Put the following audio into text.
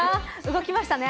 動きましたね。